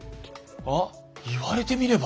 あっ言われてみれば。